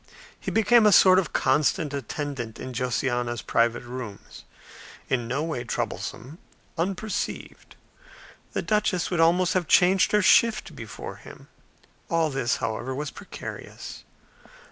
He became a sort of constant attendant in Josiana's private rooms; in no way troublesome; unperceived; the duchess would almost have changed her shift before him. All this, however, was precarious.